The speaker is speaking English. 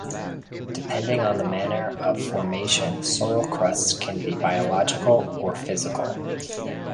Depending on the manner of formation, soil crusts can be biological or physical.